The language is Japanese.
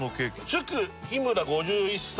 「祝日村５１歳」